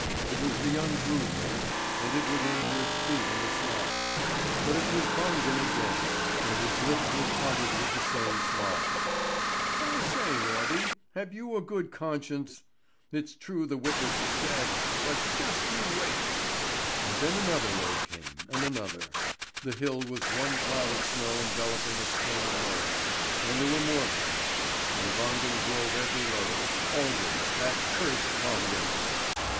It was the young brood mare, and it would injure its feet in the slide. But it was Wangen again, and his lips were parted with the same smile: "I say, Norby, have you a good conscience? It's true the witness is dead, but just you wait!" And then another load came, and another; the hill was one cloud of snow enveloping a string of loads, and there were more coming; and Wangen drove every load, always that cursed Wangen!